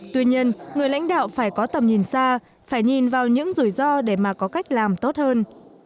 tuy nhiên người lãnh đạo phải có tầm nhìn xa phải nhìn vào những rủi ro để mà có cách làm tốt hơn